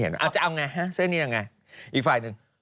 เป็นเมียน้อย